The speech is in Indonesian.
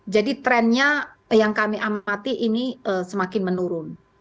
jadi trennya yang kami amati ini semakin menurun